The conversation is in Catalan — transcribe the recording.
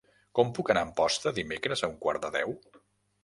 Com puc anar a Amposta dimecres a un quart de deu?